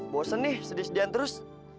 bosen nih sedih sedihan terus